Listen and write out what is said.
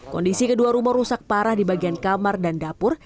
kondisi kedua rumah rusak parah di bagian kamar dan dapur